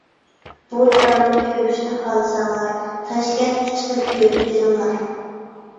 بۇ دىرامىنى كۆرۈشنى خالىساڭلار، تاشكەنتكە چىقىپ كۆرۈپ كېلىڭلار.